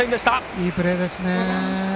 いいプレーですね。